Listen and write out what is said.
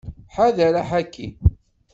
Ḥader aḥaki.